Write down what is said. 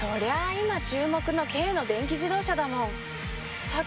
今注目の軽の電気自動車だもん。